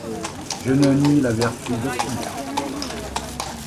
Je ne nie la vertu d’aucune herbe.